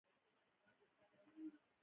دښمن د وېرې لمبه وي